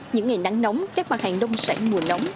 những ngày nắng nóng các mặt hàng nông sản mùa nóng